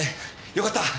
よかった。